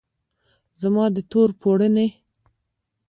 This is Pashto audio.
زما د تور پوړنې